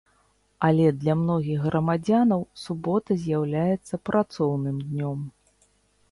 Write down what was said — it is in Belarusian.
Але для многіх грамадзянаў субота з'яўляецца працоўным днём.